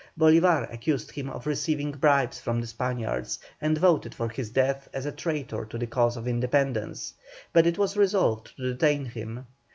Bolívar accused him of receiving bribes from the Spaniards, and voted for his death as a traitor to the cause of independence, but it was resolved to detain him.